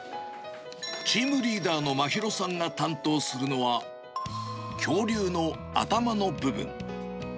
チームリーダーのまひろさんが担当するのは、恐竜の頭の部分。